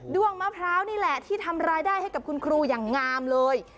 ้วงมะพร้าวนี่แหละที่ทำรายได้ให้กับคุณครูอย่างงามเลย